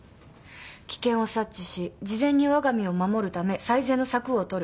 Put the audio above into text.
危険を察知し事前にわが身を守るため最善の策を取る。